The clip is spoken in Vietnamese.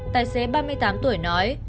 tài xế ba mươi tám tuổi nói